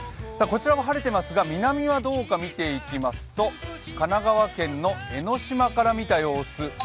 こちらも晴れていますが、南はどうか見ていきますと、神奈川県の江の島から見た様子。